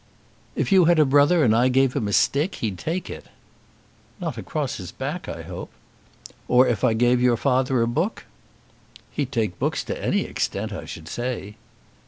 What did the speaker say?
"If you had a brother and I gave him a stick he'd take it." "Not across his back, I hope." "Or if I gave your father a book?" "He'd take books to any extent, I should say."